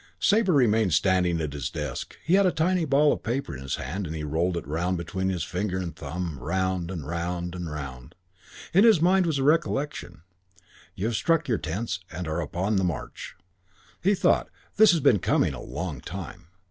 V Sabre remained standing at his desk. He had a tiny ball of paper in his hand and he rolled it round between his finger and thumb, round and round and round and round.... In his mind was a recollection: "You have struck your tents and are upon the march." He thought, "This has been coming a long time....